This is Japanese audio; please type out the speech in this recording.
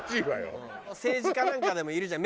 政治家なんかでもいるじゃん。